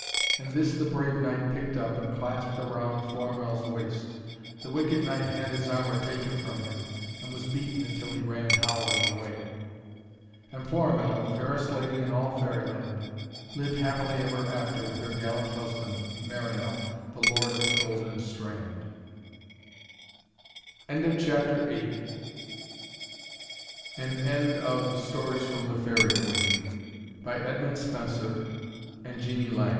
And this the brave knight picked up, and clasped round Florimell's waist. The wicked knight had his armour taken from him, and was beaten until he ran howling away. And Florimell, the fairest lady in all Fairyland, lived happily ever after with her gallant husband, Marinell, the Lord of the Golden Strand. PRINTED IN GREAT BRITAIN BY THOMAS NELSON AND SONS, LTD.